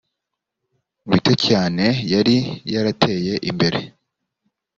bito cyane yari yarateye imbere